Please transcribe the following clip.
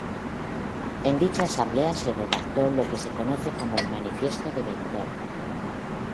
En dicha asamblea se redactó lo que se conoce como el "Manifiesto de Benidorm".